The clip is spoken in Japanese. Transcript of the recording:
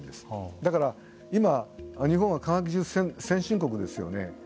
だから、今、日本は科学技術先進国ですよね。